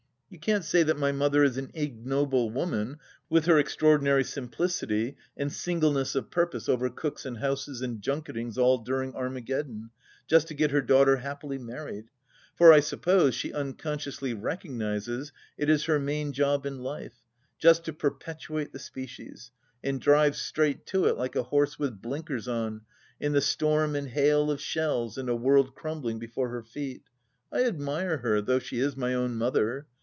You can't say that my mother is an ignoble woman — with her extra ordinary simplicity and singleness of purpose over cooks and houses and junketings all during Armageddon, just to get her daughter happily married ! For, I suppose, she unconsciously recognizes it is her main job in life — ^just to perpetuate the species — and drives straight to it like a horse with blinkers on, in the storm and hail of shells and a world crumbling before her feet. ... I admire her, though she is my own mother.